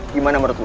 gimana menurut lo